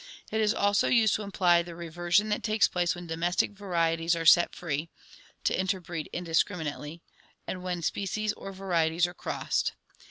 ... It is also used to imply the reversion that takes place when domestic varieties are set free [to interbreed indiscriminately] and when species or varieties are crossed.